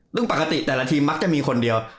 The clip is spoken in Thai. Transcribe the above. ซึ่งปกติแต่ละทีมมักจะมีคนเดียว